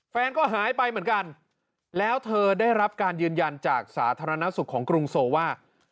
แฟนก็หายไปเหมือนกันแล้วเธอได้รับการยืนยันจากสาธารณสุขของกรุงโซว่า